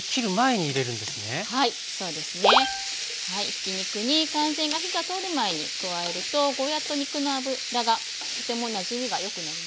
ひき肉に完全に火が通る前に加えるとゴーヤーと肉の脂がとてもなじみがよくなりますね。